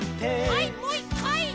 はいもう１かい！